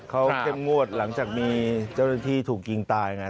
เขาเข้มงวดหลังจากมีเจ้าหน้าที่ถูกยิงตายไง